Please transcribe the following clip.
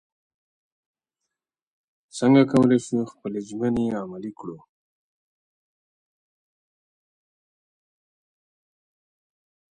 څنګه کولی شو خپلې ژمنې عملي کړو؟